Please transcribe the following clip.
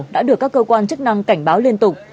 đã được các cơ quan chức năng cảnh báo liên tục